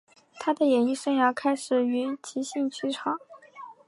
他的演艺生涯开始于即兴剧场。